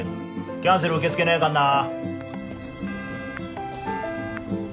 キャンセル受け付けねえかんな。